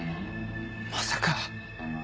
まさか。